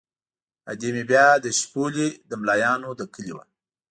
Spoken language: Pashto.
ادې مې بیا د شپولې د ملایانو له کلي وه.